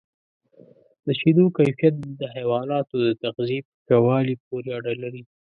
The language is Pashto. د شیدو کیفیت د حیواناتو د تغذیې په ښه والي پورې اړه لري.